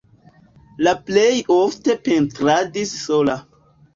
Li plej ofte pentradis sola.